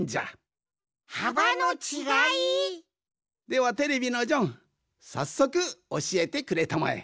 ではテレビのジョンさっそくおしえてくれたまえ。